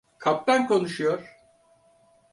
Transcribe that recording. Kaptan konuşuyor.